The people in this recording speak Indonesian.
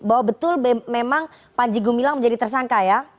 bahwa betul memang panjigo milang menjadi tersangka ya